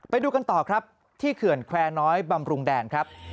ไปดูกันต่อครับที่เขื่อนแควร์น้อยบำรุงแดนครับ